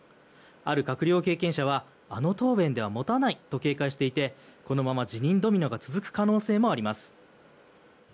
ある閣僚経験者はあの答弁では持たないと警戒していてこのまま辞任ドミノが続く可能性もあります。